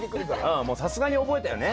うんもうさすがに覚えたよね。